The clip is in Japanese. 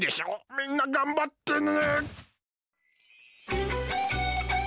みんながんばってね！